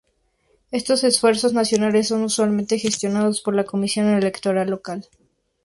Estos esfuerzos nacionales son usualmente gestionados por la comisión electoral local.